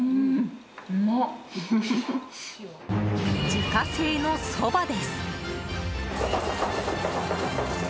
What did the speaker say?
自家製のそばです。